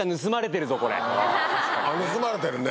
あっ盗まれてるね。